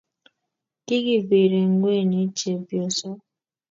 kikibire ng'weny chepyosok